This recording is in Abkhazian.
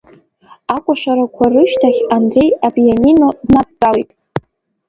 Акәашарақәа рышьҭахь Андреи апианино днадтәалеит.